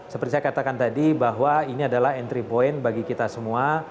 seperti saya katakan tadi bahwa ini adalah entry point bagi kita semua